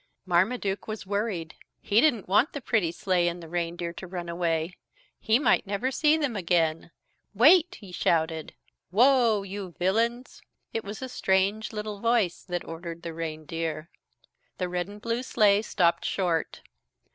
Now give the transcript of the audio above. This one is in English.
Marmaduke was worried. He didn't want the pretty sleigh and the reindeer to run away. He might never see them again. "Wait!" he shouted. "Whoa you villains!" It was a strange little voice that ordered the reindeer. The red and blue sleigh stopped short.